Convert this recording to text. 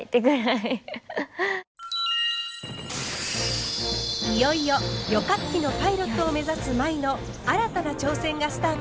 いよいよ旅客機のパイロットを目指す舞の新たな挑戦がスタートします。